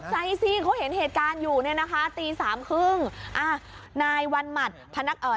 ตกใจสิเขาเห็นเหตุการณ์อยู่นี่นะคะตี๓๓๐